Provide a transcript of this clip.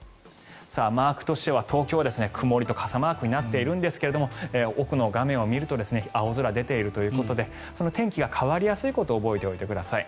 マークとしては東京は曇りと傘マークになっているんですが奥の画面を見ると青空が出ているということで天気が変わりやすいことを覚えておいてください。